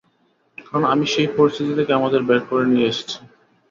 কারণ, আমি সেই পরিস্থিতি থেকে আমাদের বের করে নিয়ে এসেছি।